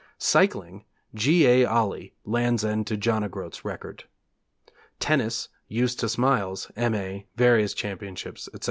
Cycling: G. A. Olley, Land's End to John o' Groats record. Tennis: Eustace Miles, M.A., various championships, etc.